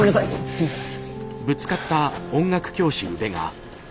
すいません。